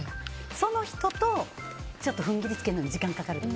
その人とちょっと踏ん切りつけるのに時間がかかるとか。